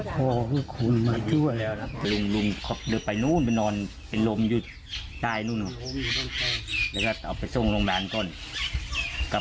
ก็ยอมเลยใช่ไหมค่ะ